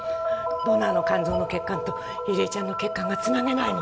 ドナーの肝臓の血管とゆりえちゃんの血管が繋げないの。